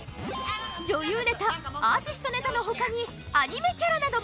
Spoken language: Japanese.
女優ネタアーティストネタの他にアニメキャラなども守備範囲。